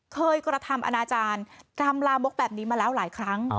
เคยกระทำอนาจารย์กลับมามาเราหลายครั้ง